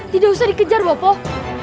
tidak usah dikejar bapak